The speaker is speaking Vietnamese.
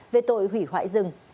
về tội hủy hoại rừng